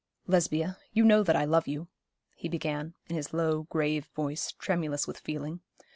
'Lesbia, you know that I love you,' he began, in his low, grave voice, tremulous with feeling.